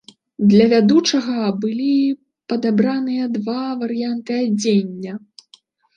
Для вядучага былі падабраныя два варыянты адзення.